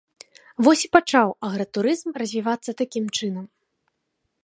Вось і пачаў агратурызм развівацца такім чынам.